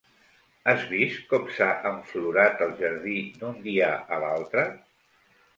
Has vist com s'ha enflorat el jardí d'un dia a l'altre?